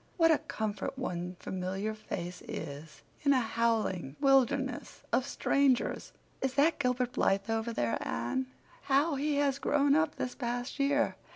What a comfort one familiar face is in a howling wilderness of strangers!" "Is that Gilbert Blythe over there, Anne? How he has grown up this past year!